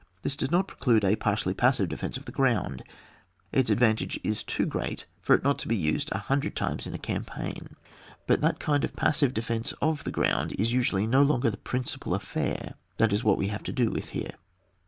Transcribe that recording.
This does not preclude a partially passive defence of the ground ; its ad vantage is too great for it not to be used a hundred times in a campaign. But that kind of passive defence of the ground is usually no longer the principal affair: that is what we have to do with here.